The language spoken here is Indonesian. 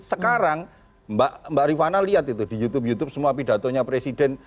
sekarang mbak rifana lihat itu di youtube youtube semua pidatonya presiden